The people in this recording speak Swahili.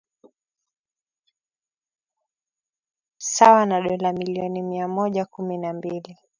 sawa na dola milioni mia moja kumi na mbili